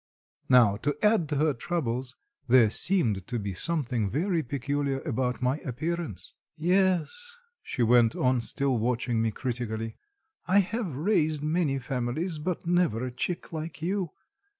Now, to add to her troubles, there seemed to be something very peculiar about my appearance. "Yes," she went on still watching me critically, "I have raised many families, but never a chick like you.